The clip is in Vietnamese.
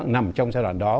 nằm trong giai đoạn đó